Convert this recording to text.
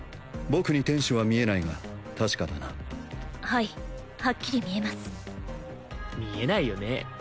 僕に天使は見えないが確かだなはいはっきり見えます見えないよね？